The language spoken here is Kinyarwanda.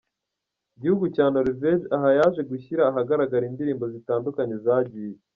gihugu cya Norvege, aha yaje gushyira ahagaragara indirimbo zitandukanye zagiye.